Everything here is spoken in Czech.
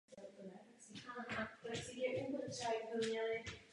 Výběrové řízení vyhrála společnost Eurocopter.